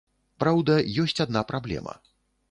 Праўда, ёсць адна праблема.